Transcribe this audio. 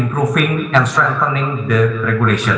meningkatkan dan memperkuat regulasi